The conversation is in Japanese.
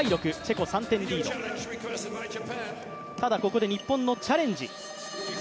ここで日本のチャレンジ。